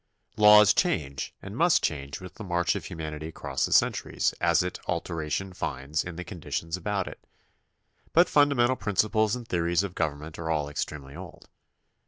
Laws change and must change with the march of humanity across the centuries as it alteration finds in the conditions about it, but fundamental principles and theories of government are all extremely old.